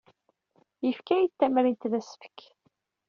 Yefka-iyi-d tamrint d asefk.